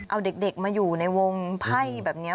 เอาเด็กมาอยู่ในวงไพ่แบบนี้